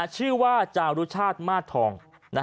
ชื่อว่าจารุชาติมาสทอง